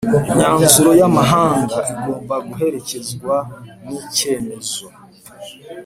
imyanzuro y amahanga igomba guherekezwa n icyemezo